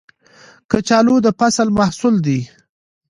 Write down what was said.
کچالو د فصل محصول دی